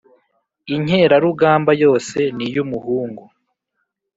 Inkerarugamba yose ni y' umuhungu